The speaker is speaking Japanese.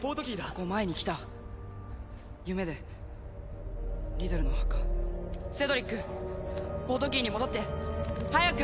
ここ前に来た夢でリドルの墓セドリックポートキーに戻って早く！